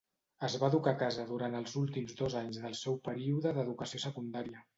Es va educar a casa durant els últims dos anys del seu període d'educació secundària.